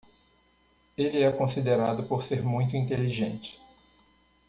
Ele é considerado por ser muito inteligente.